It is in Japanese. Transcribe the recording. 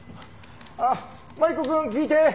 あっマリコくん聞いて。